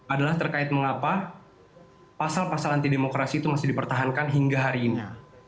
adalah terkait mengapa pasal pasal anti demokrasi itu masih dipertahankan hingga hari ini